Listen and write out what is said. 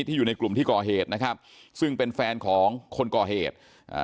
อยู่ในกลุ่มที่ก่อเหตุนะครับซึ่งเป็นแฟนของคนก่อเหตุอ่า